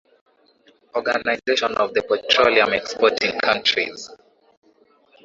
Organization of the Petroleum Exporting Countries